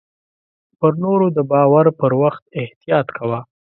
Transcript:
پر نور د باور پر وخت احتياط کوه .